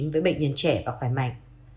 với bệnh nhân trẻ và khỏe mạnh